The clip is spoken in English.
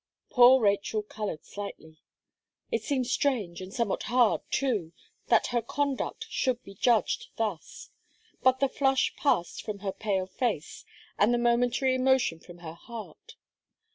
Poor Rachel coloured slightly. It seemed strange, and somewhat hard too, that her conduct should be judged thus. But the flush passed from her pale face, and the momentary emotion from her heart.